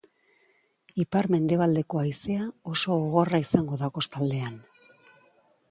Ipar-mendebaldeko haizea oso gogorra izango da kostaldean.